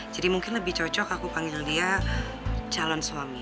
jadi mungkin lebih cocok aku panggil dia calon suami